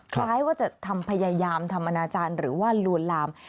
คล้ายว่าจะทำพยายามทำอนาจารย์หรือว่าลวนลาม